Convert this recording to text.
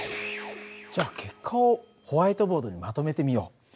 じゃあ結果をホワイトボードにまとめてみよう。